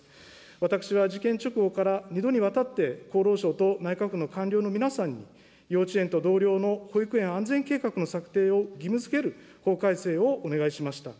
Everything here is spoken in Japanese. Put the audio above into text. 私は事件直後から、２度にわたって、厚労省と内閣府の官僚の皆さんに、幼稚園と同様の保育園安全計画の策定を義務づける法改正をお願いしました。